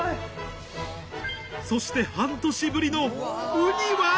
そして半年ぶりのウニは？